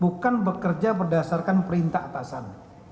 bukan bekerja berdasarkan perintah atasan